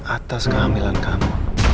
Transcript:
atas kehamilan kamu